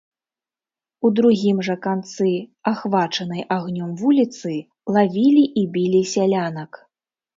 У другім жа канцы ахвачанай агнём вуліцы лавілі і білі сялянак.